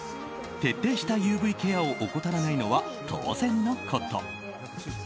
徹底したＵＶケアを怠ならないのは当然のこと。